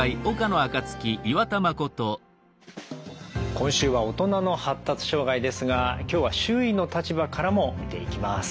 今週は「大人の発達障害」ですが今日は周囲の立場からも見ていきます。